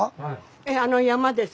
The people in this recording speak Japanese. あの山です。